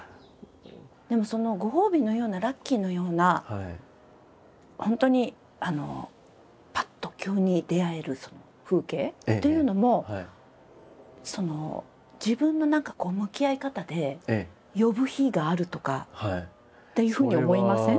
でもそのご褒美のようなラッキーのような本当にパッと急に出会えるその風景というのも自分の何かこう向き合い方で呼ぶ日があるとかっていうふうに思いません？